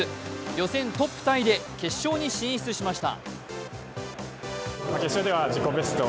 予選トップタイで決勝に進出しました。